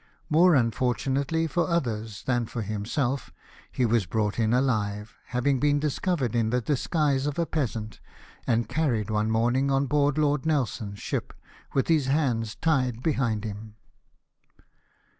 More unfortunately for others than for himself he was brought in alive, having been discovered in the disguise of a peasant, and carried one morning on board Lord Nelson's ship, with his hands tied behind him.